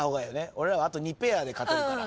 俺らはあと２ペアで勝てるから。